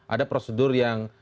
ada prosedur yang